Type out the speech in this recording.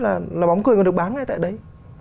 tôi được biết là bóng cười còn được bán ngay tại đấy